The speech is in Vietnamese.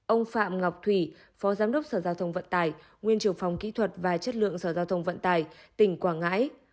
ông phạm ngọc thủy phó giám đốc sở giao thông vận tài nguyên trưởng phòng kỹ thuật và chất lượng sở giao thông vận tải tỉnh quảng ngãi